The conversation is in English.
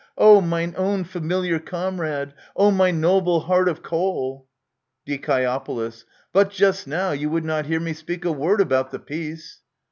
Oh, mine own familiar comrade ! Oh, my noble heart of coal 1 Die. But just now you would not hear me speak a word about the peace.